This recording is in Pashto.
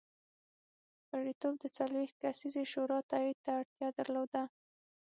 غړیتوب د څلوېښت کسیزې شورا تایید ته اړتیا درلوده.